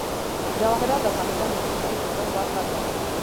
جواهرات د افغانستان د اجتماعي جوړښت برخه ده.